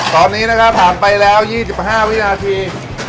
ตอนนี้นะครับผ่านไปแล้ว๒๕วินาที